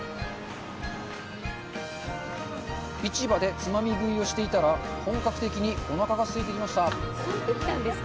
市場でつまみ食いをしていたら本格的に、おなかがすいてきました。